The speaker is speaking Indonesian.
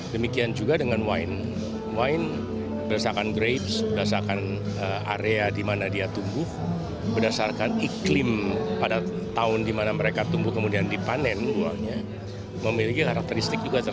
demikian juga dengan wine wine berdasarkan grade berdasarkan area di mana dia tumbuh berdasarkan iklim pada tahun di mana mereka tumbuh kemudian dipanen uangnya memiliki karakteristik